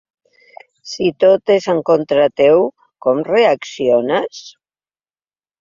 Si tot és en contra teu, com reacciones?